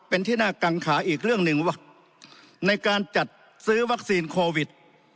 เป็นที่น่ากังขาอีกเรื่องหนึ่งว่าในการจัดซื้อวัคซีนโควิด